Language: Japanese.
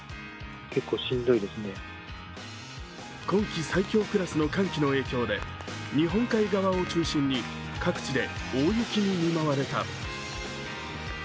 今季最強クラスの寒気の影響で、日本海側を中心に各地で大雪に見舞われた。